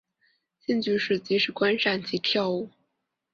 兴趣是即时观赏及跳舞。